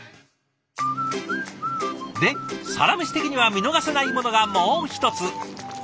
で「サラメシ」的には見逃せないものがもう一つ。